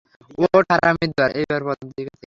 ওঠ, হারামীর দল!